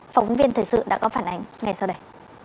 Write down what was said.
phóng viên thời sự đã có phản ánh ngay sau đây